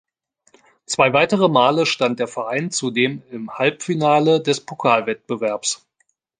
Zwei weitere Male stand der Verein zudem im Halbfinale des Pokalwettbewerbs.